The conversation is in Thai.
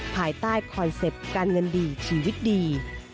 ภายใต้คอนเซ็ปต์การเงินดีชีวิตดี